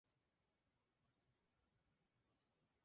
Producción y dirección de Marcial Dávila.